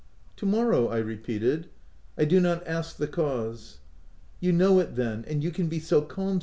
H To morrow !" I repeated, " I do not ask the cause." " You know it then — and you can be so calm